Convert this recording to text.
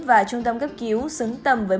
và trung tâm cấp cứu xứng tầm với